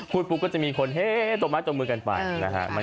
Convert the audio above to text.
ปุ๊บก็จะมีคนเฮ้ตรงไม้ตรงมือกันไปนะฮะ